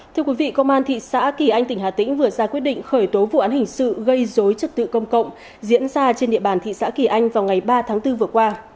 thưa quý vị công an thị xã kỳ anh tỉnh hà tĩnh vừa ra quyết định khởi tố vụ án hình sự gây dối trật tự công cộng diễn ra trên địa bàn thị xã kỳ anh vào ngày ba tháng bốn vừa qua